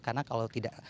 karena kalau tidak